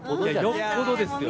よっぽどですよ。